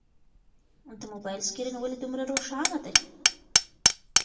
د موبایل سکرین ولې دومره روښانه دی؟